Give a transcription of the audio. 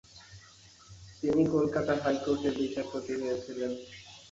তিনি কলকাতা হাইকোর্টের বিচারপতি হয়েছিলেন।